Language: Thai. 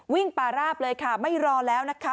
ปาราบเลยค่ะไม่รอแล้วนะคะ